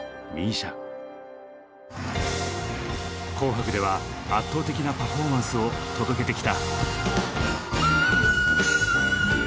「紅白」では圧倒的なパフォーマンスを届けてきた！